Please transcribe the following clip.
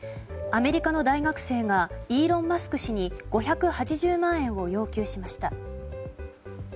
アメリカの大学生がイーロン・マスク氏に５８０万円を要求しました。